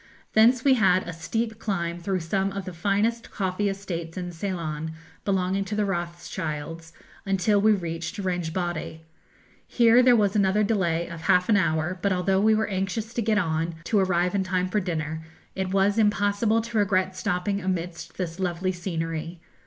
Thence we had a steep climb through some of the finest coffee estates in Ceylon, belonging to the Rothschilds, until we reached Rangbodde. Here there was another delay of half an hour; but although we were anxious to get on, to arrive in time for dinner, it was impossible to regret stopping amidst this lovely scenery.